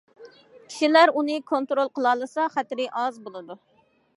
كىشىلەر ئۇنى كونترول قىلالىسا، خەتىرى ئاز بولىدۇ.